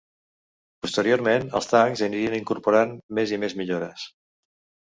Posteriorment els tancs anirien incorporant més i més millores.